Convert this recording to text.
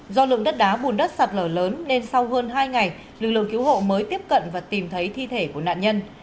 do lượng đất đá bùn đất sạt lở lớn nên sau hơn hai ngày lực lượng cứu hộ mới tiếp cận và tìm thấy thi thể của nạn nhân